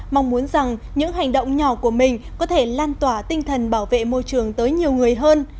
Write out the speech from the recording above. mong muốn rằng những hành động nhỏ của mình có thể lan tỏa tinh thần bảo vệ môi trường tới nhiều người hơn